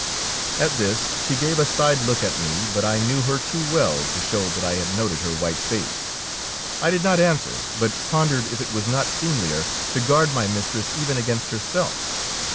At this she gave a side look at me, but I knew her too well to show that I had noted her white face. I did not answer, but pondered if it was not seemlier to guard my mistress even against herself.